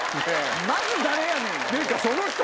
まず誰やねん！